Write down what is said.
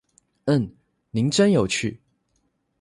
嗯，您真有趣